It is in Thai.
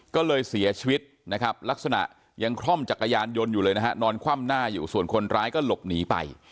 ก็เลยเสียชีวิตนะครับลักษณะยังคล่อมจักรยานยนต์อยู่เลยนะฮะนอนคว่ำหน้าอยู่ส่วนคนร้ายก็หลบหนีไป